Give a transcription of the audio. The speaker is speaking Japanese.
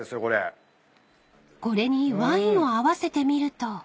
［これにワインを合わせてみると］